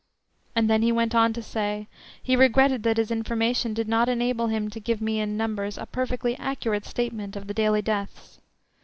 And then he went on to say, he regretted that his information did not enable him to give me in numbers a perfectly accurate statement of the daily deaths.